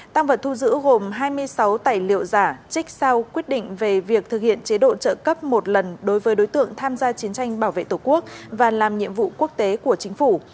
tăng vật thu giữ gồm hai mươi sáu tài liệu giả trích sao quyết định về việc thực hiện chế độ trợ cấp một lần đối với đối tượng tham gia chiến tranh bảo vệ tổ quốc và làm nhiệm vụ quốc tế của chính phủ